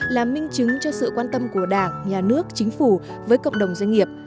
là minh chứng cho sự quan tâm của đảng nhà nước chính phủ với cộng đồng doanh nghiệp